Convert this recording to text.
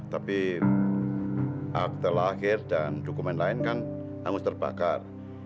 tapi akte lahir dan dokumen lain kan hangus terbakar